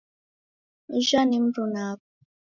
Ujha ni mruna apa.